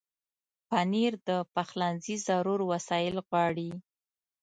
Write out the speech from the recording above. پنېر د پخلنځي ضرور وسایل غواړي.